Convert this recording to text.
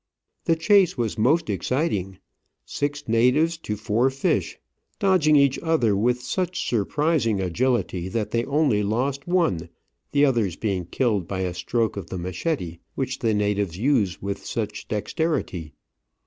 The chase was most exciting, six natives to four fish, dodging each other with such surprising agility that they only lost one, the others being killed by a stroke of the machete^ which the natives use with such dexterity.